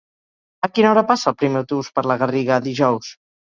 A quina hora passa el primer autobús per la Garriga dijous?